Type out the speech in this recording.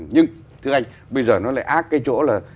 nhưng thưa anh bây giờ nó lại ác cái chỗ là